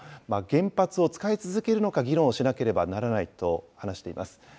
原発を使い続けるのか議論をしなければならないと話しています。